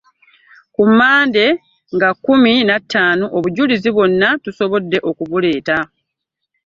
Ku Mmande nga kkumi na ttaano obujulizi bwonna tusobodde okubuleeta